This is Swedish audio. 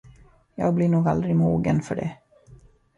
Jag blir nog aldrig mogen för det.